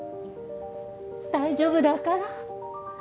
大丈夫だから。